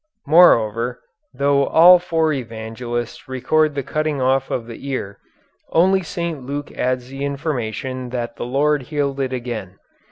Moreover, though all four evangelists record the cutting off of the ear, only St. Luke adds the information that the Lord healed it again.